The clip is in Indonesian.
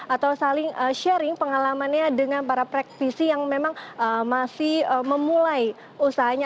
atau saling sharing pengalamannya dengan para praktisi yang memang masih memulai usahanya